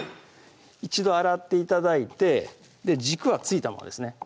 一度洗って頂いて軸は付いたままですね